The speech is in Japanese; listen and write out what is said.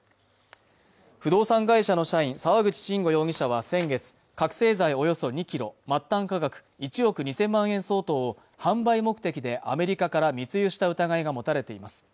不動産会社の社員沢口慎吾容疑者は先月覚醒剤およそ２ｋｇ末端価格１億２０００万円相当を販売目的でアメリカから密輸した疑いが持たれています